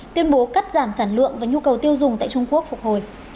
tuyên bố cắt giảm sản lượng và nhu cầu tiêu dùng tại trung quốc phục hồi